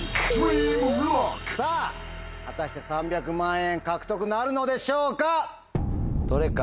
さぁ果たして３００万円獲得なるのでしょうか？